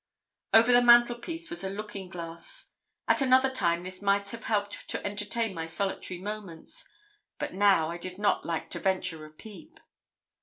Over the mantelpiece was a looking glass. At another time this might have helped to entertain my solitary moments, but now I did not like to venture a peep.